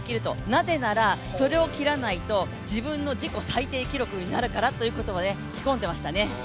なぜならそれを切らないと自分の自己最低記録になるからと、意気込んでいましたね。